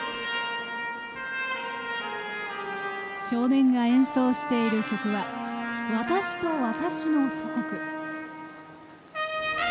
少年が演奏している曲は「私と私の祖国」。